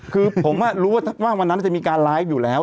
คือผมรู้ว่าวันนั้นจะมีการไลฟ์อยู่แล้ว